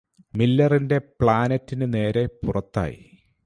മില്ലറിന്റെ പ്ലാനറ്റിനു നേരെ പുറത്തായി